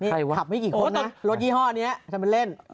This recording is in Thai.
ใครวะ